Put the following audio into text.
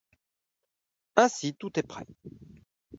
Ainsi tout est prêt.